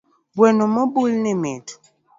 Gweno mobul ni mit